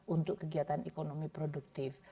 untuk kegiatan ekonomi produktif